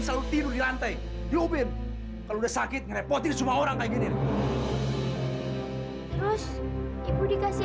selalu tidur di lantai di ubin kalau sakit repotin semua orang kayak gini terus dikasih